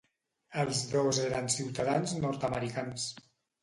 Els dos eren ciutadans nord-americans.